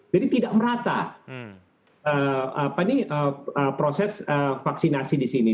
jadi tidak merata proses vaksinasi di sini